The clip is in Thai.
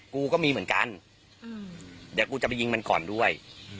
กูก็มีเหมือนกันเดี๋ยวกูจะไปยิงมันก่อนด้วย